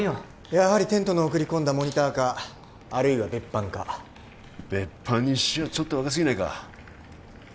やはりテントの送り込んだモニターかあるいは別班か別班にしちゃちょっと若すぎないか？